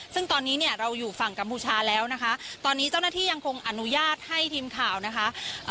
ซึ่งตอนนี้เนี่ยเราอยู่ฝั่งกัมพูชาแล้วนะคะตอนนี้เจ้าหน้าที่ยังคงอนุญาตให้ทีมข่าวนะคะ